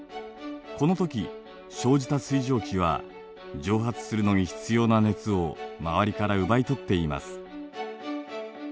この時生じた水蒸気は蒸発するのに必要な熱を周りから奪い取っています。